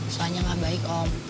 soalnya gak baik om